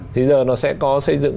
thì giờ nó sẽ có xây dựng